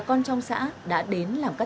còn bây giờ thì sao ạ